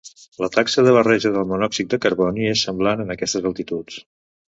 La taxa de barreja del monòxid de carboni és semblant en aquestes altituds.